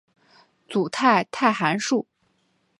组态态函数。